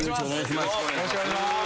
よろしくお願いします。